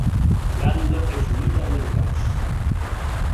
L'ànima és unida amb el cos.